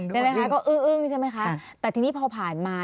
ได้ไหมคะก็อึ้งใช่ไหมคะแต่ที่นี่พอผ่านมาจริง